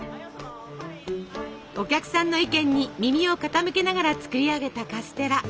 お客さんの意見に耳を傾けながら作り上げたカステラ。